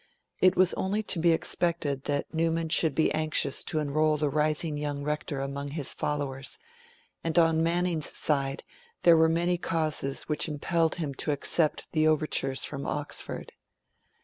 It was only to be expected that Newman should be anxious to enroll the rising young Rector among his followers; and, on Manning's side, there were many causes which impelled him to accept the overtures from Oxford.